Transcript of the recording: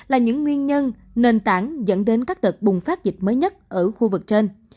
là những nguyên nhân nền tảng dẫn đến các đợt bùng phát dịch mới nhất ở khu vực trên